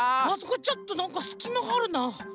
あそこちょっとなんかすきまがあるな。